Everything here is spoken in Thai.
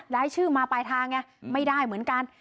รายชื่อมาปลายทางไงไม่ได้เหมือนกัน